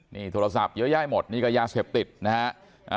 นี่โทรศัพท์เยอะแยะหมดนี่ก็ยาเสพติดนะฮะ